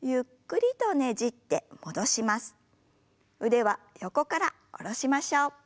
腕は横から下ろしましょう。